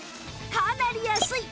かなり安い！